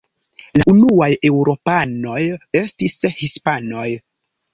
La unuaj eŭropanoj estis hispanoj.